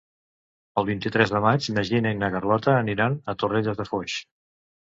El vint-i-tres de maig na Gina i na Carlota aniran a Torrelles de Foix.